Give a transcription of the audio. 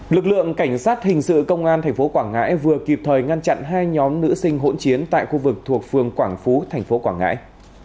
lực lượng cảnh sát hình sự công an tp quảng ngãi vừa kịp thời ngăn chặn hai nhóm nữ sinh hỗn chiến tại khu vực thuộc phường quảng phú tp quảng ngãi